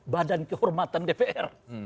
badan kehormatan dpr